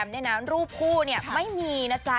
ไปถามคนนู้นดีกว่าค่ะ